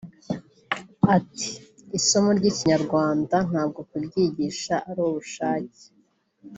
Ati "Isomo ry’ikinyarwanda kuryigisha ntabwo ari ubushake